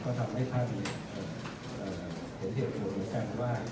ก็ทำให้ท่านเห็นเหตุผลเหมือนกันว่า